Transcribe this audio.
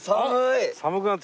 寒くなってきた。